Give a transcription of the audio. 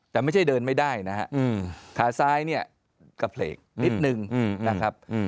แต่ไม่ใช่เดินไม่ได้นะฮะขาซ้ายเนี่ยกระเพลกนิดนึงนะครับ